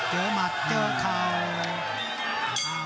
เจ้าหมาเจาเข่า